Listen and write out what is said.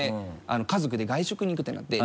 家族で外食に行くってなって。